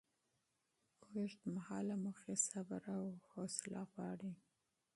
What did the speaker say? اوږدمهاله موخې صبر او حوصله غواړي.